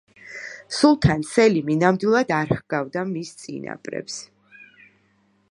სულთან სელიმი ნამდვილად არ ჰგავდა მის წინაპრებს.